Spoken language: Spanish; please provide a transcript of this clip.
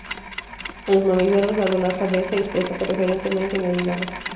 En los mamíferos, la aldolasa B se expresa preferentemente en el hígado.